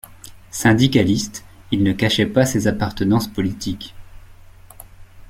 Syndicaliste, il ne cachait pas ses appartenances politiques.